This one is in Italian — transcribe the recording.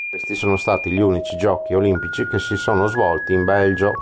Questi sono stati gli unici giochi olimpici che si sono svolti in Belgio.